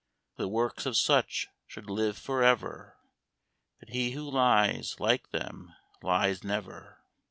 The works of such should live for ever; And he who lies like them lies never.